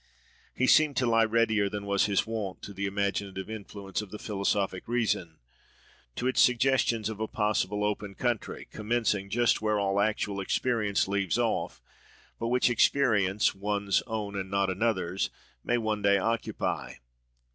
He seemed to lie readier than was his wont to the imaginative influence of the philosophic reason—to its suggestions of a possible open country, commencing just where all actual experience leaves off, but which experience, one's own and not another's, may one day occupy.